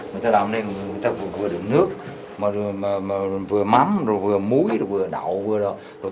người ta làm ở đây người ta vừa đựng nước vừa mắm vừa muối vừa đậu vừa đậu